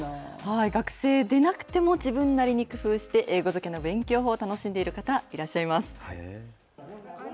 学生でなくても自分なりに工夫して、英語漬けの勉強法、楽しんでいる方、いらっしゃいます。